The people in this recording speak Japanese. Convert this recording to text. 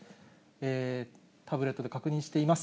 タブレットで確認しています。